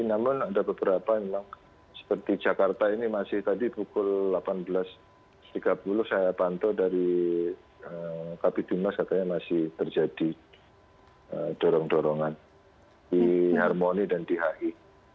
namun ada beberapa memang seperti jakarta ini masih tadi pukul delapan belas tiga puluh saya pantau dari kabit humas katanya masih terjadi dorong dorongan di harmoni dan di hi